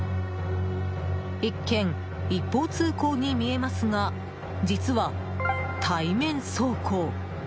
一見、一方通行に見えますが実は対面走行。